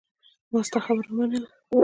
ما ستا خبره ومنله.